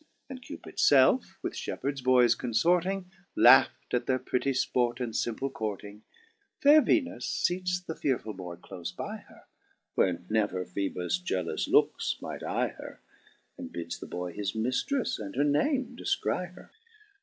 And Cupids felfe, with fliepheards boys conforting, Laugh'd at their pritty fport and fimple courting, Faire Venus feats the fearfuU boy clofe by her. Where never Phoebus jealous lookes might eye her. And bids the boy his miftris and her name defcry her.